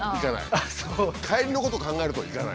帰りのことを考えると行かない。